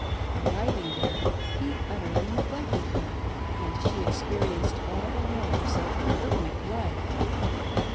Arrived there he utterly neglected her, and she experienced all the horrors of polygamic life.